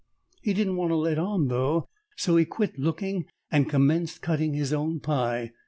He didn't want to let on, though, so he quit looking and commenced cutting his own pie.